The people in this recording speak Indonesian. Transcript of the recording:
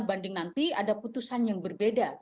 banding nanti ada putusan yang berbeda